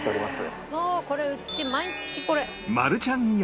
「もううち毎日これ」